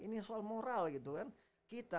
ini soal moral gitu kan kita